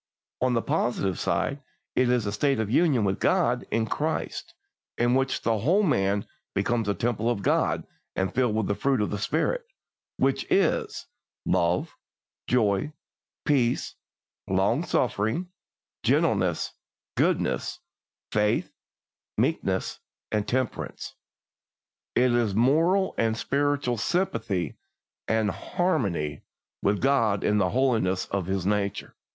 On the positive side it is a state of union with God in Christ, in which the whole man becomes a temple of God and filled with the fruit of the Spirit, which is "love, joy, peace, long suffering, gentleness, goodness, faith, meekness, temperance." It is moral and spiritual sympathy and harmony with God in the holiness of His nature.